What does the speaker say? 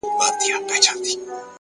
پر وجود څه ډول حالت وو اروا څه ډول وه ـ